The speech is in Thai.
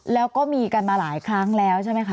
แล้วก็มีกันมาหลายครั้งแล้วใช่ไหมคะ